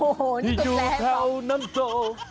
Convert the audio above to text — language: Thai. โอ้โฮนี่จุดแรงหรอ